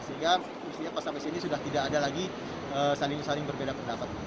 sehingga mestinya pas sampai sini sudah tidak ada lagi saling saling berbeda pendapat